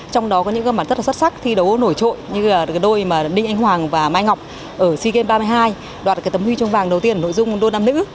trong đó có những cơ bản rất là xuất sắc thi đấu nổi trội như là đôi đinh anh hoàng và mai ngọc ở sea games ba mươi hai đoạt cái tấm huy trông vàng đầu tiên nội dung đôi nam nữ